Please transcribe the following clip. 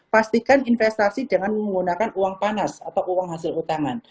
pastikan investasi dengan menggunakan uang panas atau uang hasil utangan